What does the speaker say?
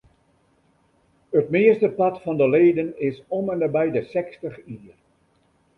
It meastepart fan de leden is om ende by de sechstich jier.